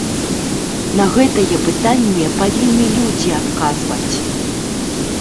На гэтае пытанне павінны людзі адказваць.